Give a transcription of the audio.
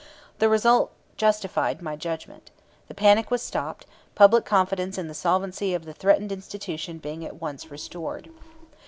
The result justified my judgment. The panic was stopped, public confidence in the solvency of the threatened institution being at once restored.